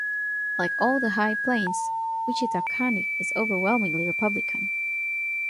Like all the High Plains, Wichita County is overwhelmingly Republican.